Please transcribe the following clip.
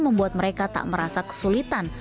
membuat mereka tak merasa kesulitan